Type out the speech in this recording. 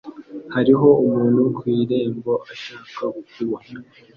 Hariho umuntu ku irembo ushaka kukubona.